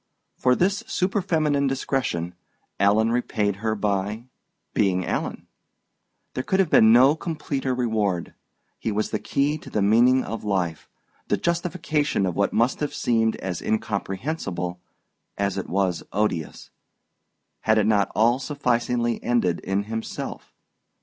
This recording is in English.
For this superfeminine discretion Alan repaid her by being Alan. There could have been no completer reward. He was the key to the meaning of life, the justification of what must have seemed as incomprehensible as it was odious, had it not all sufficingly ended in himself.